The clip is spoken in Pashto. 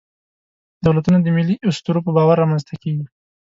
دولتونه د ملي اسطورو په باور رامنځ ته کېږي.